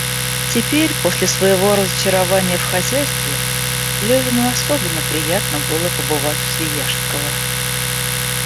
Теперь, после своего разочарования в хозяйстве, Левину особенно приятно было побывать у Свияжского.